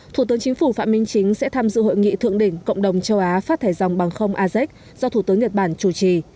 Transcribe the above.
thủ tướng chính phủ phạm minh chính sẽ tham dự hội nghị thượng đỉnh cộng đồng châu á phát thải dòng bằng không azek do thủ tướng nhật bản chủ trì